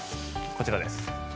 こちらです。